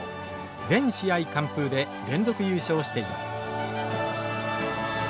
全試合完封で連続優勝しています。